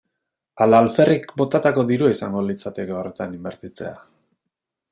Ala alferrik botatako dirua izango litzateke horretan inbertitzea?